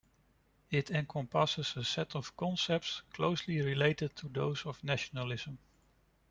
It encompasses a set of concepts closely related to those of nationalism.